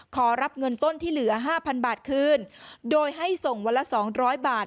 ขอรับเงินต้นที่เหลือห้าพันบาทคืนโดยให้ส่งวันละสองร้อยบาท